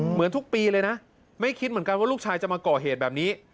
เหมือนทุกปีเลยนะไม่คิดเหมือนกันว่าลูกชายจะมาก่อเหตุแบบนี้